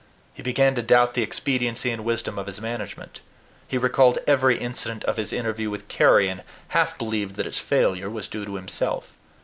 He began to doubt the expediency and wisdom of his management. He recalled every incident of his interview with Carry, and half believed that its failure was due to himself.